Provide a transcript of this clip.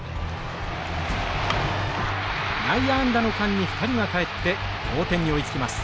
内野安打の間に２人が帰って同点に追いつきます。